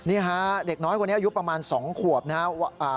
นี่ฮะเด็กน้อยคนนี้อายุประมาณ๒ขวบนะครับ